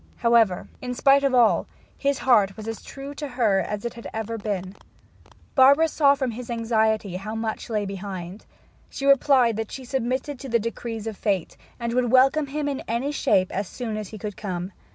However, in spite of all, his heart was as true to her as it ever had been. Barbara saw from his anxiety how much lay behind. She replied that she submitted to the decrees of Fate, and would welcome him in any shape as soon as he could come.